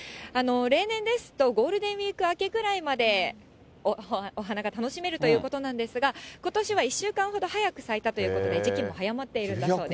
例年ですと、ゴールデンウィーク明けぐらいまでお花が楽しめるということなんですが、ことしは１週間ほど早く咲いたということで、時期も早まっているんだそうです。